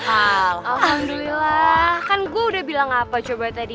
wow alhamdulillah kan gue udah bilang apa coba tadi